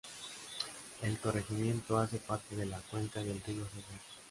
El corregimiento hace parte de la cuenca del río Cesar.